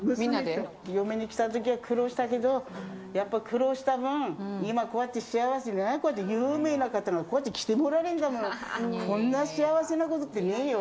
嫁に来たときは苦労したけど、やっぱ苦労した分、今、こうやって幸せだな、こうやって有名な方がこうやって来てくれるんだもの、こんな幸せいえいえ。